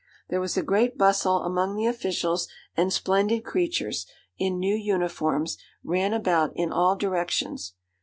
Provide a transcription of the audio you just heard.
There was a great bustle among the officials, and splendid creatures, in new uniforms, ran about in all directions.